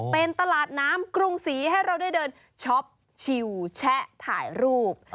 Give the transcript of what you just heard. เป็นตลาดน้ำกรุงศรีให้เราได้เดินช็อปชิวแชะถ่ายรูป